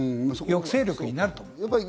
抑制力になると思う。